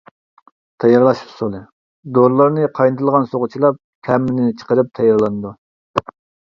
تەييارلاش ئۇسۇلى: دورىلارنى قاينىتىلغان سۇغا چىلاپ، تەمىنى چىقىرىپ تەييارلىنىدۇ.